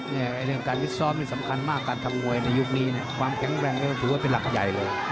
เรื่องการวิซ้อมนี่สำคัญมากการทำมวยในยุคนี้เนี่ยความแข็งแรงนี่ก็ถือว่าเป็นหลักใหญ่เลย